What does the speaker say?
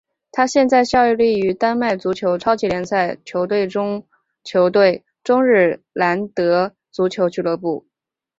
他现在效力于丹麦足球超级联赛球队中日德兰足球俱乐部。